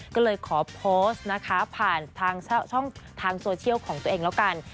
ก็เลยขอโพสต์ผ่านทางโซเชียลของตัวเองแล้วกัน